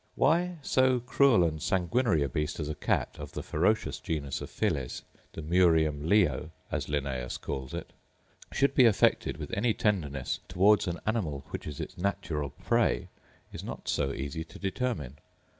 Why so cruel and sanguinary a beast as a cat, of the ferocious genus of Feles, the murium leo, as Linnaeus calls it, should be affected with any tenderness towards an animal which is its natural prey, is not so easy to determine.